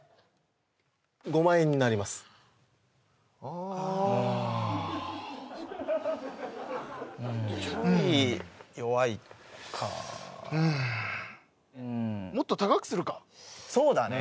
５万円になりますあーあーうんちょい弱いかうんもっと高くするかそうだね